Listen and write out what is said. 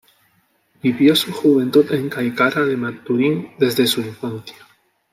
Vivió su juventud en Caicara de Maturín desde su infancia.